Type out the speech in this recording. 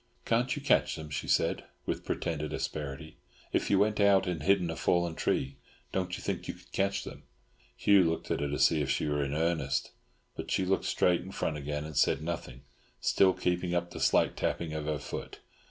"Can't you catch them?" she said, with pretended asperity. "If you went out and hid in a fallen tree, don't you think you could catch them?" Hugh looked at her to see if she were in earnest, but she looked straight in front again and said nothing, still keeping up the slight tapping of her foot.